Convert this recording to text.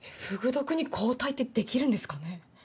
フグ毒に抗体ってできるんですかね？